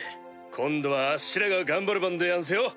今度はあっしらが頑張る番でやんすよ！